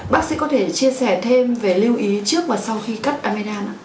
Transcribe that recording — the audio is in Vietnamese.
bác sĩ có thể chia sẻ thêm về lưu ý trước và sau khi cắt amidam